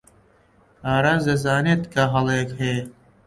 ئاراس دەزانێت کە هەڵەیەک هەیە.